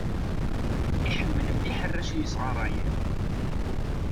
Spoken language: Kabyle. Iḥemmel mliḥ arrac i yesɣaṛay.